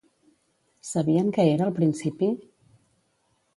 Sabien què era al principi?